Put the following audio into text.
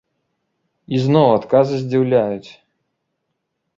І зноў адказы здзіўляюць!